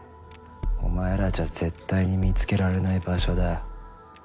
お前らじゃ絶対に見つけられない場所だ。